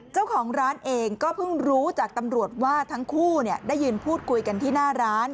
เจ้าของร้านเองก็เพิ่งรู้จากตำรวจว่าทั้งคู่ได้ยืนพูดคุยกันที่หน้าร้าน